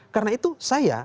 karena itu saya